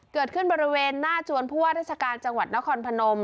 เกิดขึ้นบริเวณหน้าจวนผู้ว่าราชการจังหวัดนครพนม